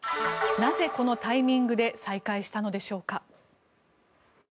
なぜ、このタイミングで再開したのでしょうか。